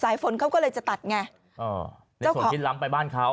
สายฝนเขาก็เลยจะตัดไงเออในส่วนทิ้นล้ำไปบ้านเขา